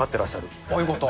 そういうこと。